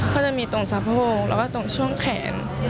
ก็จะมีตรงสะโพกแล้วก็ตรงช่วงแขน